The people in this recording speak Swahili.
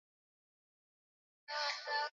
i yake mgombea urais wa chadema dokta wilprod